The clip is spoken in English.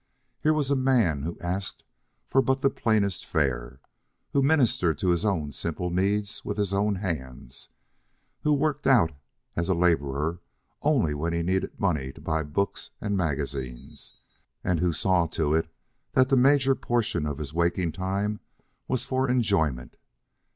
Here was a man who asked for but the plainest fare; who ministered to his own simple needs with his own hands; who worked out as a laborer only when he needed money to buy books and magazines; and who saw to it that the major portion of his waking time was for enjoyment.